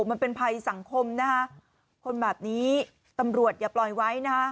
มันเป็นภัยสังคมนะฮะคนแบบนี้ตำรวจอย่าปล่อยไว้นะ